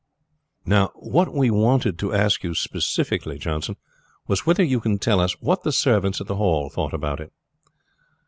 "Now, what we wanted to ask you specially, Johnson, was whether you can tell us what the servants at the Hall thought about it?"